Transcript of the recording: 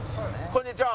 こんにちは。